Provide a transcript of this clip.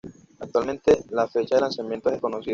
Actualmente la fecha de lanzamiento es desconocida.